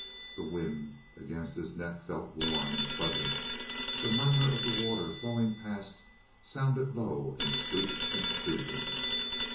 The wind against his neck felt warm and pleasant; the murmur of the water flowing past sounded low and sweet and soothing.